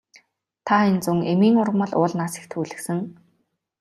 Та энэ зун эмийн ургамал уулнаас их түүлгэсэн.